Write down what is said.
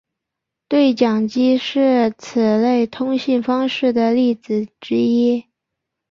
对讲机是此类通信方式的例子之一。